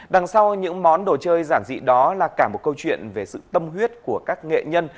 đằng sau những món đồ chơi giản dị đó là cả một câu chuyện về sự tâm huyết của các nghệ nhân